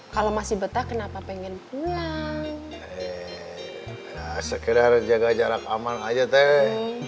kalau masih betah kenapa pengen pulang sekedar jaga jarak aman aja teh